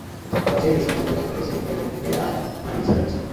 সবচেয়ে বেশি মনে পড়ে দেশে ফেলে আসা মায়াবী চেহারার কিছু মুখ।